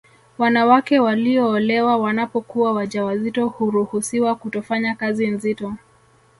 Wanawake walioolewa wanapokuwa waja wazito huruhusiwa kutofanya kazi nzito